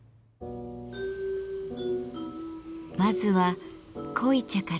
まずは濃茶から。